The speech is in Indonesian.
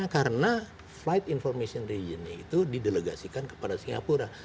karena flight information region itu di delegasikan kepada singapura